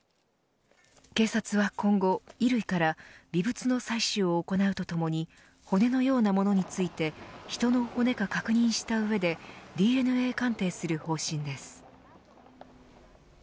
警察は今後衣類から微物の採取を行うとともに骨のようなものについて人の骨か確認した上でＤＮＡ鑑定する方針です。